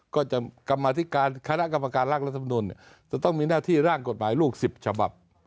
กรรมธิการคณะกรรมการร่างรัฐมนุนจะต้องมีหน้าที่ร่างกฎหมายลูก๑๐ฉบับ